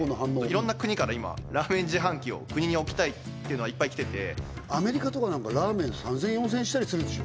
いろんな国から今ラーメン自販機を国に置きたいっていうのはいっぱい来ててアメリカとかなんかラーメン３０００円４０００円したりするでしょ